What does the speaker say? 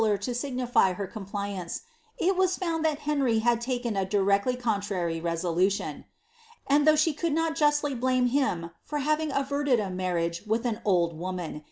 signify her compliance, it was found that Henry had taken a dii contrary resolution. And though she could not justly blatne hi. having averted a marriage with an old leomiin.'